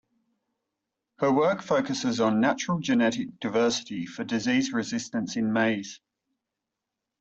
Her work focuses on natural genetic diversity for disease resistance in maize.